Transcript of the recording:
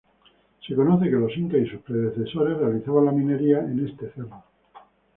Se conoce que los Incas y sus predecesores realizaban la minería en este cerro.